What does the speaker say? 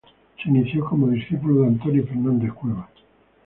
Se inició como discípulo de Antonio Fernández Cuevas.